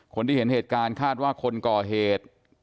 คนที่เห็นเหตุการณ์คาดว่าคนก่อเหตุ